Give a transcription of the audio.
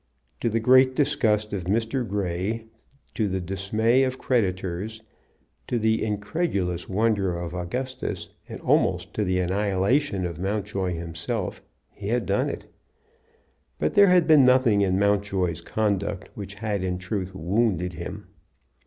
To the great disgust of Mr. Grey, to the dismay of creditors, to the incredulous wonder of Augustus, and almost to the annihilation of Mountjoy himself, he had done it. But there had been nothing in Mountjoy's conduct which had in truth wounded him.